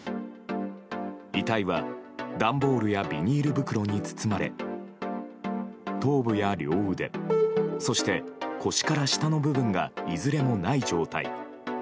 遺体は段ボールやビニール袋に包まれ頭部や両腕そして腰から下の部分がいずれもない状態。